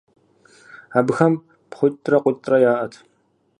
Абыхэм пхъуитӏрэ къуитӏрэ яӏэт.